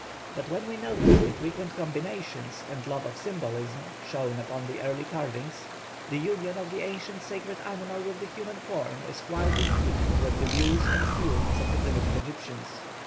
But when we notice the frequent combinations and love of symbolism, shown upon the early carvings, the union of the ancient sacred animal with the human form is quite in keeping with the views and feelings of the primitive Egyptians.